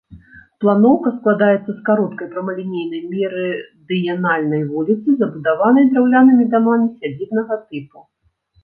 Планоўка складаецца з кароткай прамалінейнай мерыдыянальнай вуліцы, забудаванай драўлянымі дамамі сядзібнага тыпу.